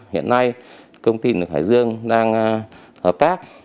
hiện nay công ty ở hải dương đang hợp tác